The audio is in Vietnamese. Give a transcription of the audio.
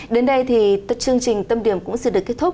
đến đây thì chương trình tâm điểm cũng xin được kết thúc